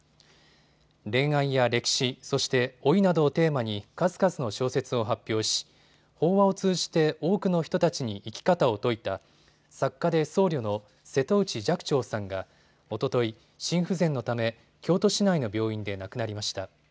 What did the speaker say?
恋愛や歴史そして老いなどをテーマに数々の小説を発表し法話を通じて多くの人たちに生き方を説いた作家で僧侶の瀬戸内寂聴さんがおととい心不全のため京都市内の病院で亡くなりました。